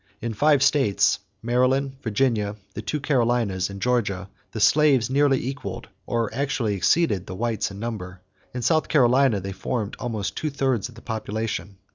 In five states Maryland, Virginia, the two Carolinas, and Georgia the slaves nearly equalled or actually exceeded the whites in number. In South Carolina they formed almost two thirds of the population.